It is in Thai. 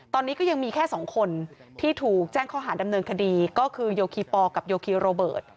ตอนนี้ก็ยังมีแค่สองคนที่ถูกแจ้งข้อหาดำเนินคดีก็คือโยคีปอลกับโยคีโรเบิร์ต